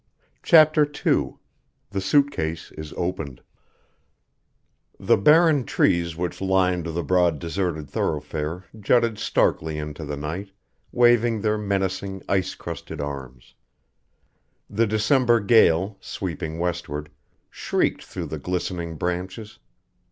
CHAPTER II THE SUIT CASE IS OPENED The barren trees which lined the broad deserted thoroughfare jutted starkly into the night, waving their menacing, ice crusted arms. The December gale, sweeping westward, shrieked through the glistening branches.